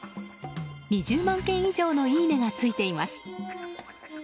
２０万件以上のいいねがついています。